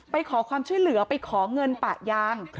ไปขอความช่วยเหลือไปขอเงินปะยาง